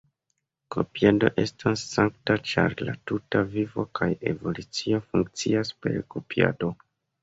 Kopiado estas sankta ĉar la tuta vivo kaj evolucio funkcias per kopiado.